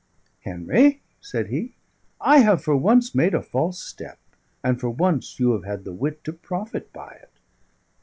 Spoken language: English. "Henry," said he, "I have for once made a false step, and for once you have had the wit to profit by it.